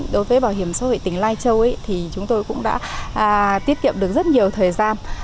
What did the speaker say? đối với bảo hiểm xã hội tỉnh lai châu thì chúng tôi cũng đã tiết kiệm được rất nhiều thời gian